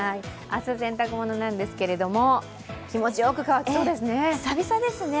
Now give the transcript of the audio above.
明日の洗濯物なんですけれども、気持ちよく乾きそうですね。